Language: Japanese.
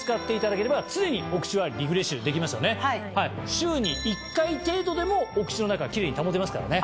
週に１回程度でもお口の中キレイに保てますからね。